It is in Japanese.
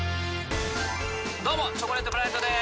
どうもチョコレートプラネットです。